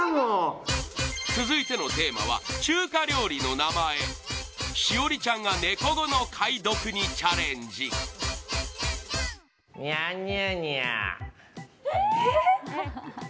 続いてのテーマは中華料理の名前栞里ちゃんがネコ語の解読にチャレンジええ？